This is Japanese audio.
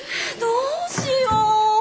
どうしよう。